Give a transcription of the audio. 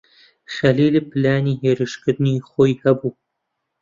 خەلیل پلانی هێرشکردنی خۆی هەبوو.